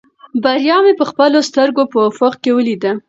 بریا مې په خپلو سترګو په افق کې ولیده.